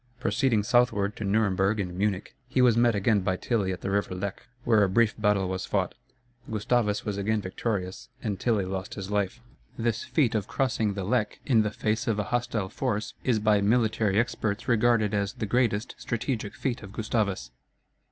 Proceeding southward to Nuremberg and Munich, he was met again by Tilly at the river Lech, where a brief battle was fought; Gustavus was again victorious and Tilly lost his life. This feat of crossing the Lech in the face of a hostile force is by military experts regarded as the greatest strategic feat of Gustavus.